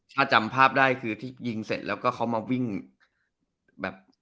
ถ้าจำภาพได้คือที่ยิงเสร็จแล้วก็เขามาวิ่งแบบ